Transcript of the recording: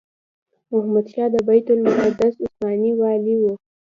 محمد پاشا د بیت المقدس عثماني والي وو.